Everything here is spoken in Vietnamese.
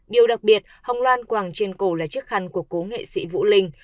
điều đặc biệt hồng loan quàng trên cổ là chiếc khăn của cổ nghệ sĩ vũ linh